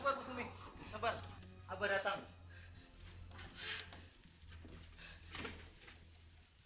bu sumi jangan berani